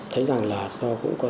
thấy rằng là